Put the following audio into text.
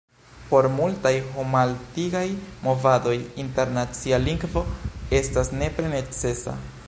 Por multaj homaltigaj movadoj internacia lingvo estas nepre necesa.